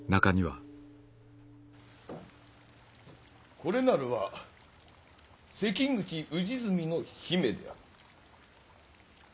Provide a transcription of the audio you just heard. これなるは関口氏純の姫である。